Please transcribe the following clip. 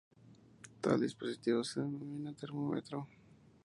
Tal dispositivo se denomina termómetro.